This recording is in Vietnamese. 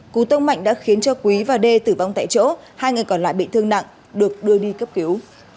cú tông mạnh đã khiến cho quý và đê tử vong tại chỗ hai người còn lại bị thương nặng được đưa đi cấp cứu